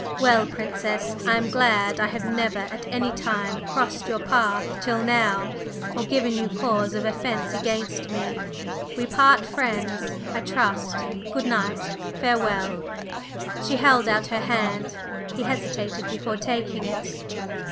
Well, Princess, I am glad I have never at any time crossed your path till now, or given you cause of offence against me. We part friends, I trust? Good night! Farewell!" She held out her hand. He hesitated before taking it.